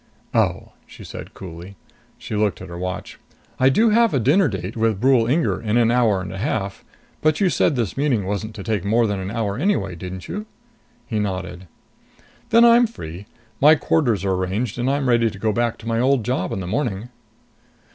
"Oh," she said coolly. She looked at her watch. "I do have a dinner date with Brule Inger in an hour and a half. But you said this meeting wasn't to take more than an hour anyway, didn't you?" He nodded. "Then I'm free. My quarters are arranged, and I'm ready to go back on my old job in the morning."